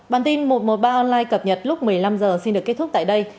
bản tin một trăm một mươi ba online cập nhật lúc một mươi năm h xin được kết thúc tại đây